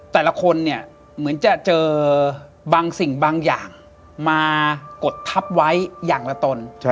แต่ละคนเนี่ยเหมือนจะเจอบางสิ่งบางอย่างมากดทับไว้อย่างละตน